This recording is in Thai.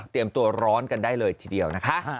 ตัวร้อนกันได้เลยทีเดียวนะคะ